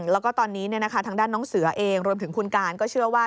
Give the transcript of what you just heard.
แล้วก็ตอนนี้ทางด้านน้องเสือเองรวมถึงคุณการก็เชื่อว่า